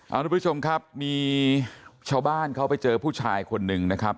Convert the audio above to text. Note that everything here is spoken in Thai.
ทุกผู้ชมครับมีชาวบ้านเขาไปเจอผู้ชายคนหนึ่งนะครับ